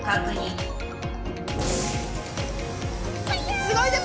すごいです！